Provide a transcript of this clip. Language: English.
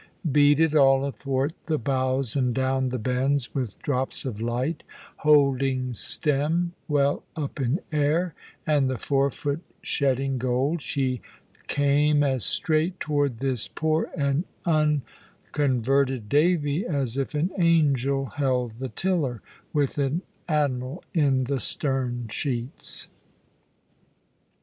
Beaded all athwart the bows and down the bends with drops of light, holding stem well up in air, and the forefoot shedding gold, she came as strait toward this poor and unconverted Davy as if an angel held the tiller, with an admiral in the stern sheets.